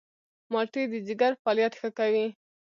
مالټې د ځيګر فعالیت ښه کوي.